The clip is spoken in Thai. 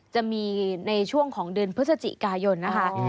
จะมีในช่วงของเดือนพฤศจิกายนนะคะ